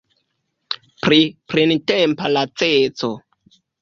Pri printempa laceco.